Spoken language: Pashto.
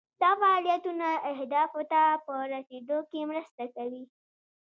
دا فعالیتونه اهدافو ته په رسیدو کې مرسته کوي.